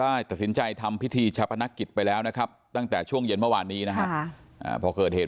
ได้ตัดสินใจทำพิธีชับพนักกิจไปแล้วนะครับตั้งแต่ช่วงเย็นเมื่อนี้นะครับ